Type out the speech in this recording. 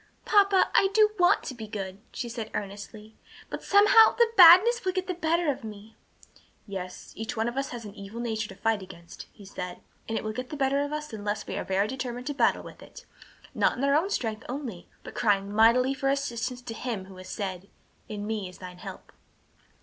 "Papa, I do want to be good," she said earnestly, "but somehow the badness will get the better of me." "Yes; each one of us has an evil nature to fight against," he said, "and it will get the better of us unless we are very determined and battle with it, not in our own strength only, but crying mightily for assistance to Him who has said, 'In me is thine help.'